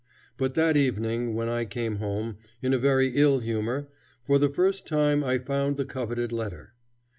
But that evening, when I came home, in a very ill humor, for the first time I found the coveted letter.